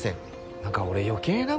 何か俺余計なこと。